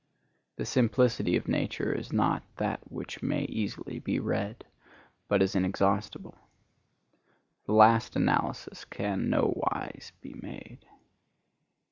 The simplicity of nature is not that which may easily be read, but is inexhaustible. The last analysis can no wise be made.